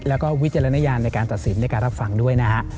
แล้วก็วิจารณญาณในการตัดสินในการรับฟังด้วยนะฮะ